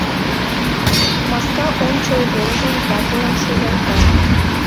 Маска ончыл йолжым ватылан шуялта.